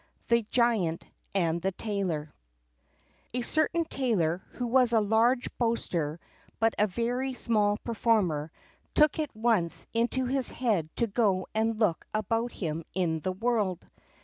The Giant and the Tailor A certain tailor, who was a large boaster but a very small performer, took it once into his head to go and look about him in the world.